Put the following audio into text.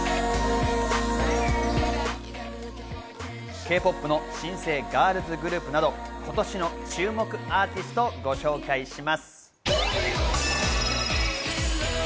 Ｋ−ＰＯＰの新星ガールズグループなど、今年の注目アーティストをご紹介します。